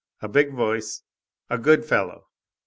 A big voice, a good fellow.